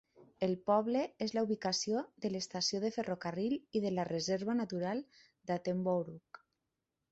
El poble és la ubicació de l'estació de ferrocarril i de la reserva natural d'Attenborough.